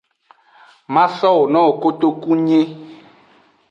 Ma sowo nowo kotunyi.